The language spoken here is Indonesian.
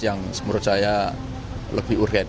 yang menurut saya lebih urgent